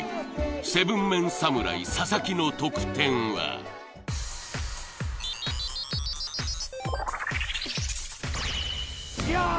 ７ＭＥＮ侍佐々木の得点はよーっ！